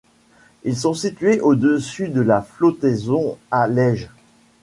Ils sont situés au-dessus de la flottaison à lège.